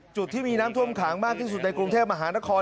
จุดที่มีน้ำท่วมขังมากที่สุดในกรุงเทพมหานคร